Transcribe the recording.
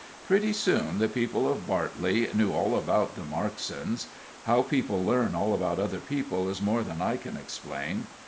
Pretty soon the people of Bartley knew all about the Marksons. How people learn all about other people is more than I can explain.